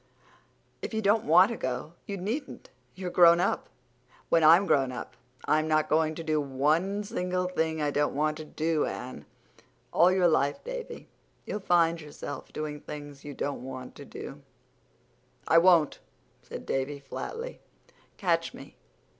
"If you don't want to go you needn't. You're grown up. When I'm grown up I'm not going to do one single thing I don't want to do, Anne." "All your life, Davy, you'll find yourself doing things you don't want to do." "I won't," said Davy flatly. "Catch me!